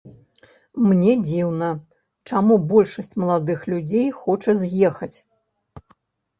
Мне дзіўна, чаму большасць маладых людзей хоча з'ехаць.